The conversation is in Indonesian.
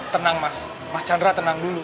tenang mas mas chandra tenang dulu